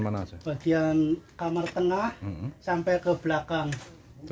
mana bagian kamar tengah sampai ke belakangnya